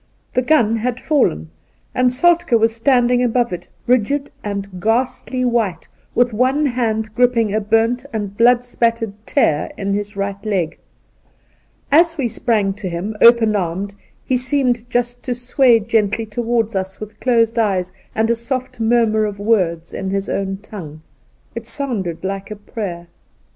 The gun had fallen, and Soltke 6t Soltk^ was standing above it, rigid and ghastly white, with one hand gripping a burnt and blood spattered tear in his right leg. As we sprang to him open armed he seemed just to sway gently towards us with closed eyes and a soft murmur of words in his own tongue. It sounded like a prayer.